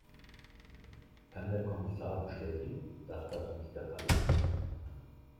Kann der Kommissar bestätigen, dass das nicht der Fall ist?